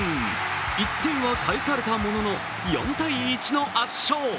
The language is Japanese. １点は返されたものの４−１の圧勝。